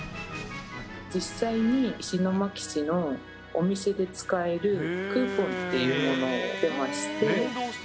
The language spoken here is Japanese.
実際に石巻市のお店で使えるクーポンっていうものを出していまして。